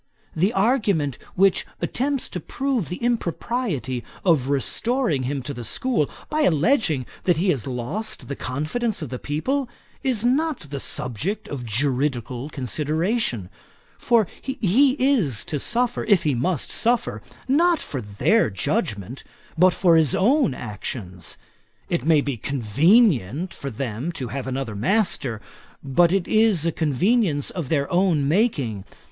The argument which attempts to prove the impropriety of restoring him to the school, by alledging that he has lost the confidence of the people, is not the subject of juridical consideration; for he is to suffer, if he must suffer, not for their judgement, but for his own actions. It may be convenient for them to have another master; but it is a convenience of their own making.